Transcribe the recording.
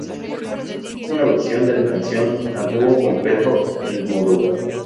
Existe una versión de la canción a dúo con Pedro Almodóvar.